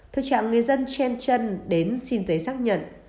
thưa trạm người dân trên chân đến xin giấy xác nhận